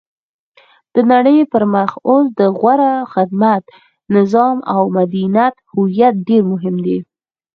د نړۍ پرمخ اوس د غوره خدمت، نظام او مدنیت هویت ډېر مهم دی.